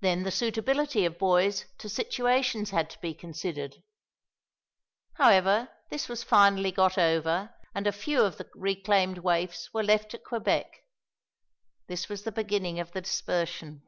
Then the suitability of boys to situations had to be considered. However, this was finally got over, and a few of the reclaimed waifs were left at Quebec. This was the beginning of the dispersion.